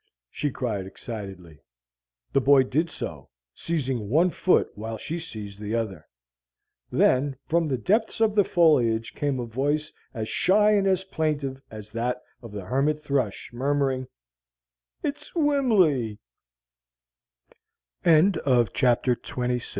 she cried excitedly. The boy did so, seizing one foot while she seized the other. Then, from the depths of the foliage came a voice as shy and as plaintive as that of the hermit thrush, murmuri